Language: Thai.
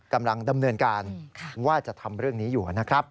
กำลังดำเนินการว่าจะทำเรื่องนี้อยู่นะครับ